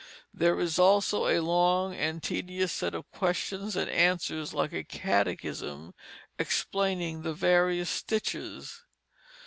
There is also a long and tedious set of questions and answers like a catechism, explaining the various stitches.